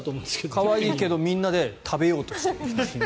可愛いけどみんなで食べようとしている。